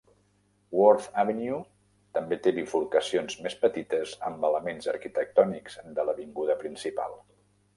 Worth Avenue també té bifurcacions més petites amb elements arquitectònics de l"avinguda principal.